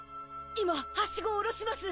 今はしごを下ろします。